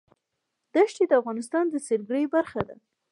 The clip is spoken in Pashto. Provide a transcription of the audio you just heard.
دښتې د افغانستان د سیلګرۍ برخه ده.